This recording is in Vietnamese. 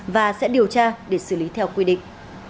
và sẽ điều tra để xử lý theo quy định